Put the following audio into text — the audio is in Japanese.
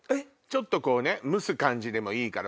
ちょっと蒸す感じでもいいから。